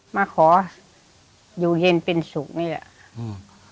มาขอยูเฮนเป็นสุขนี่แหละ